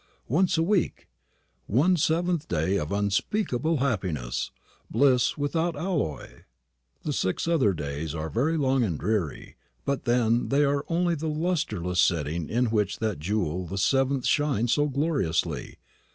Once a week! One seventh day of unspeakable happiness bliss without alloy! The six other days are very long and dreary. But then they are only the lustreless setting in which that jewel the seventh shines so gloriously.